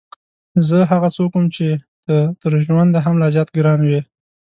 زه هغه څوک وم چې ته تر ژونده هم لا زیات ګران وې.